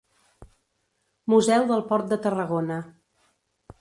"Museu del Port de Tarragona"